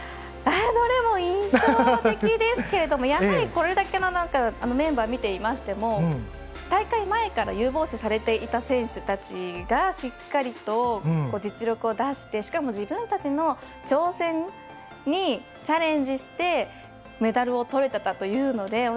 どれも印象的ですけどもやはり、これだけのメンバーを見ていましても大会前から有望視されていた選手たちがしっかりと実力を出してしかも自分たちの挑戦にチャレンジしてメダルをとれたというので。